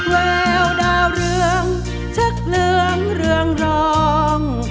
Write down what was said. แววดาวเรืองชักเหลืองเรืองรอง